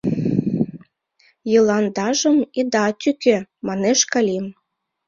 — Йыландажым ида тӱкӧ! — манеш Калим.